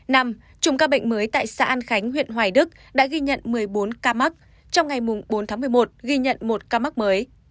nằm chung ca bệnh mới tại xã an khánh huyện hoài đức đã ghi nhận một mươi bốn ca mắc trong ngày bốn tháng một mươi một ghi nhận một ca mắc mới